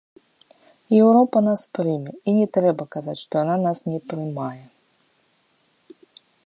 Еўропа нас прыме, і не трэба казаць, што яна нас не прымае.